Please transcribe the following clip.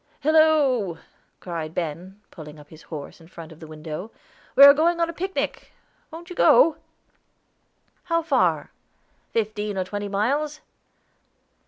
"Hillo!" cried Ben, pulling up his horses in front of the window. "We are going on a picnic. Wont you go?" "How far?" "Fifteen or twenty miles."